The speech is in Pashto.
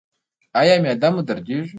ایا معده مو دردیږي؟